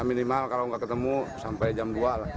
minimal kalau nggak ketemu sampai jam dua lah